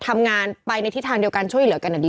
ไม่ได้มีปัญหาอะไร